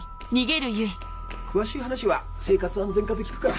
・詳しい話は生活安全課で聞くから。